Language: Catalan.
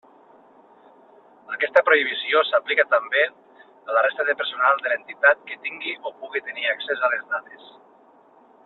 Aquesta prohibició s'aplica també a la resta del personal de l'entitat que tingui o pugui tenir accés a les dades.